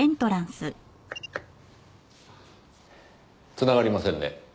繋がりませんね。